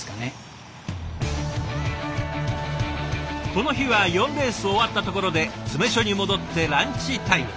この日は４レース終わったところで詰め所に戻ってランチタイム。